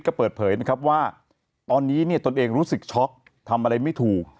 ก็เปิดเผยนะครับว่าตอนนี้เนี่ยตนเองรู้สึกช็อกทำอะไรไม่ถูก